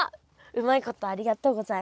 うまいことありがとうございます。